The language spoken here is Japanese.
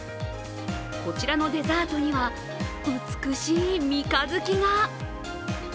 こちらのデザートには、美しい三日月が。